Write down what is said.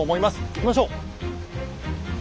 いきましょう！